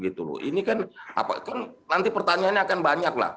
ini kan nanti pertanyaannya akan banyak lah